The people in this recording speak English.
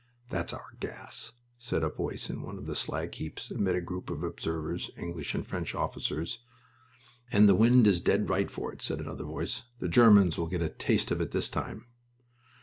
"That's our gas!" said a voice on one of the slag heaps, amid a group of observers English and French officers. "And the wind is dead right for it," said another voice. "The Germans will get a taste of it this time!"